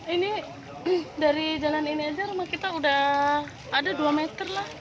ini dari jalan ini aja rumah kita udah ada dua meter lah